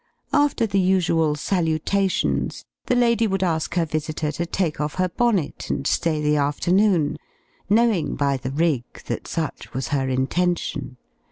After the usual salutations, the lady would ask her visitor to take off her bonnet and stay the afternoon, knowing by the "rig" that such was her intention.